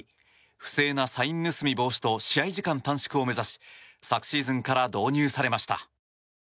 不正なサイン盗み防止と試合時間短縮を目指し昨シーズンから導入されました。